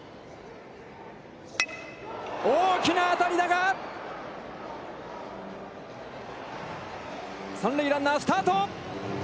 大きな当たりだが三塁ランナー、スタート。